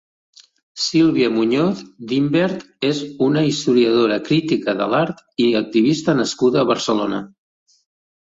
Sílvia Muñoz d'Imbert és una historiadora, critica de l'art i activista nascuda a Barcelona.